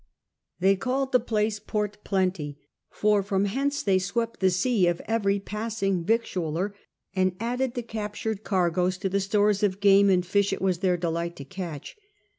They called the place Port Plenty, for from hence they swept the sea of every passing victualler, and added the captured cargoes to the stores of game and fish it was their delight to catch.